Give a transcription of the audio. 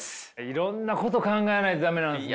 いろんなこと考えないと駄目なんですね。